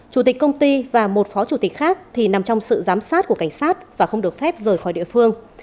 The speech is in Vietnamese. chủ tịch công ty và một phó chủ tịch khác thì nằm trong sự giám sát của cảnh sát và không được phép rời khỏi địa phương